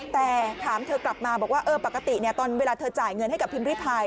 แต่ถามเธอกลับมาบอกว่าปกติตอนเวลาเธอจ่ายเงินให้กับพิมพิพาย